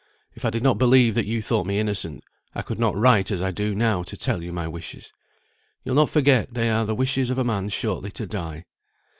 If I did not believe that you thought me innocent, I could not write as I do now to tell you my wishes. You'll not forget they are the wishes of a man shortly to die.